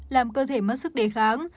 làm cơ thể mất sức đề kháng